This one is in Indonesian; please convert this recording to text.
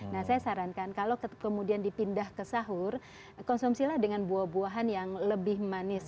nah saya sarankan kalau kemudian dipindah ke sahur konsumsilah dengan buah buahan yang lebih manis